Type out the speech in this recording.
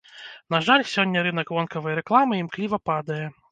На жаль, сёння рынак вонкавай рэкламы імкліва падае.